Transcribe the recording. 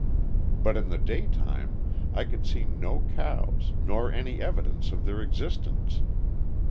But in the daytime I could see no cows nor any evidence of their existence.